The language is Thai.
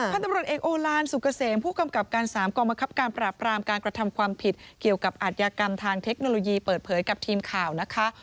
ท่านตำรวจเอกโอลานสุกเกษมผู้กำกับการ๓กองบังคับการปราบรามการกระทำความผิดเกี่ยวกับอาทยากรรมทางเทคโนโลยีเปิดเผยกับทีมข่าวนะคะ